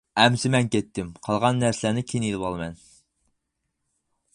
-ئەمىسە مەن كەتتىم، قالغان نەرسىلەرنى كېيىن ئېلىۋالىمەن.